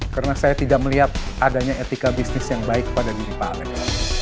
karena saya tidak melihat adanya etika bisnis yang baik pada diri pak alex